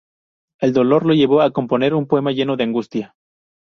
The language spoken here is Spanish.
El dolor lo llevó a componer un poema lleno de angustia.